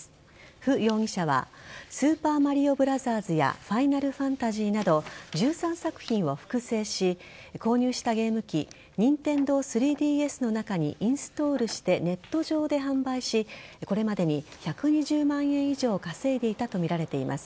フ容疑者は「スーパーマリオブラザーズ」や「ファイナルファンタジー」など１３作品を複製し購入したゲーム機ニンテンドー３ＤＳの中にインストールしてネット上で販売しこれまでに１２０万円以上稼いでいたとみられています。